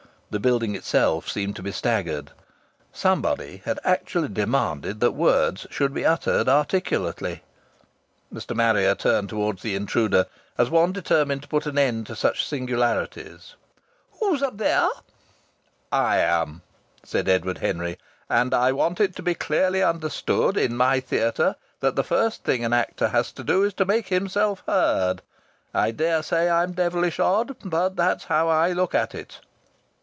The building itself seemed to be staggered. Somebody had actually demanded that words should be uttered articulately! Mr. Marrier turned towards the intruder, as one determined to put an end to such singularities. "Who's up theyah?" "I am," said Edward Henry. "And I want it to be clearly understood in my theatre that the first thing an actor has to do is to make himself heard. I daresay I'm devilish odd, but that's how I look at it."